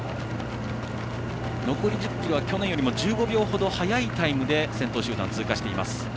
残り１０ｋｍは去年より１５秒ほど早いタイムで先頭集団、通過しています。